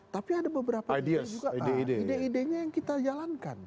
tapi ada beberapa ide ide yang kita jalankan